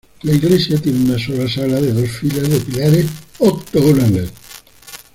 La iglesia tiene una sola sala de dos filas de pilares octogonales.